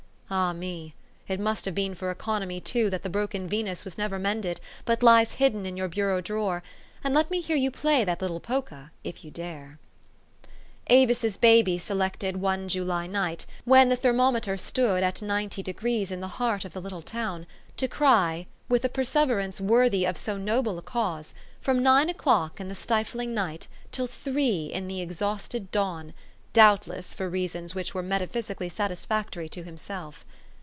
Ah, me ! It must have been for econo my, too, that the broken Venus was never mended, but lies hidden in your bureau drawer ; and let me hear you play that little polka if you dare ! Avis's baby selected one July night, when the thermometer stood at ninety degrees in the heart of the little town, to cry, with a perseverance worthy of so noble a cause, from nine o'clock in the stifling night till three in the exhausted dawn, doubtless for reasons which were metaphj'sically satisfactory to THE STORY OF AVIS. 279 himself.